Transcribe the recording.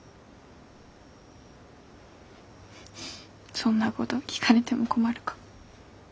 そんなごど聞かれても困るか。